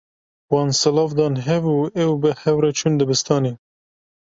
Wan silav dan hev û ew bi hev re çûn dibistanê.